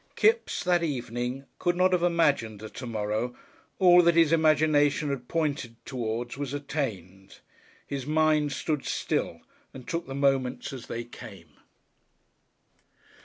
Kipps, that evening, could not have imagined a to morrow, all that his imagination had pointed towards was attained. His mind stood still and took the moments as they came.